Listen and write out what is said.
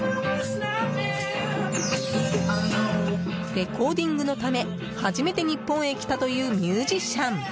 レコーディングのため初めて日本へ来たというミュージシャン。